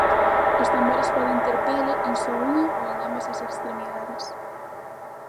Os tambores poden ter pele en só unha ou en ambas as extremidades.